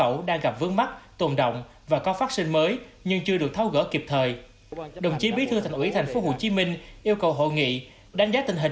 yêu cầu hội nghị đánh giá tình hình